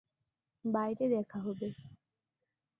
বাইরে দেখা হবে।